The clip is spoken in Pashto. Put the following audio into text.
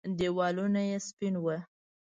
دېوالونه يې سپين ول.